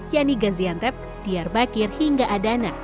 yanni gaziantep diyarbakir hingga adana